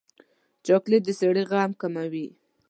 چاکلېټ د سړي غم کموي.